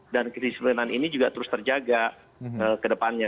dan kesehatan ini juga terus terjaga ke depannya